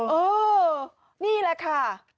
เออนี่แหละค่ะ